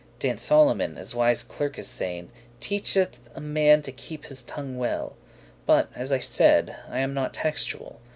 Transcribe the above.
Dan Solomon, as wise clerkes sayn, Teacheth a man to keep his tongue well; But, as I said, I am not textuel.